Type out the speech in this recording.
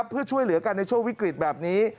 เพื่อช่วยเหลือกันในช่วงวิกฤตแบบนี้